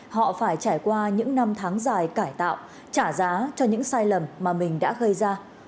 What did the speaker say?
họ phải trải qua những năm tháng dài cải tạo trả giá cho những sai lầm mà mình đã gây ra